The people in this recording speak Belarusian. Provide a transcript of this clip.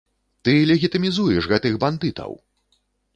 Ты легітымізуеш гэтых бандытаў!